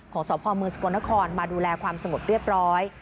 ของสอบภอมือสกลนครมาดูแลความสมบัติเรียบร้อย